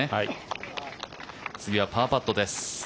次はパーパットです。